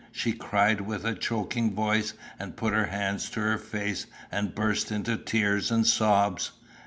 she cried with a choking voice, and put her hands to her face and burst into tears and sobs.